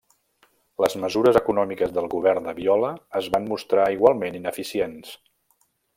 Les mesures econòmiques del govern de Viola es van mostrar igualment ineficients.